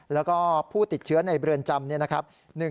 แล้วก็ผู้ติดเชื้อในเรือนจำเนี่ยนะครับ